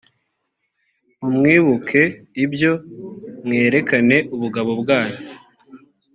nimwibuke ibyo mwerekane ubugabo bwanyu